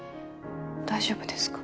大丈夫ですか？